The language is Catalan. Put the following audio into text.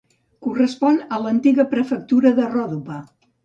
Correspon a l'antiga prefectura de Ròdope.